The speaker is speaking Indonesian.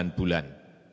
menjadi rp dua ratus dan